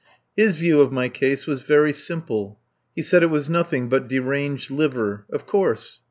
His view of my case was very simple. He said it was nothing but deranged liver. Of course!